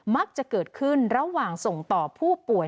มักจะเกิดขึ้นระหว่างส่งต่อผู้ป่วย